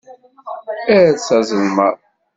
Err s azelmaḍ.